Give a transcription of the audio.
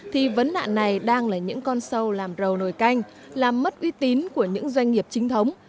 thì vấn nạn này đang là những con sâu làm rầu nồi canh làm mất uy tín của những doanh nghiệp chính thống